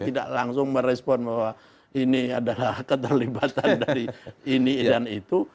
tidak langsung merespon bahwa ini adalah keterlibatan dari ini dan itu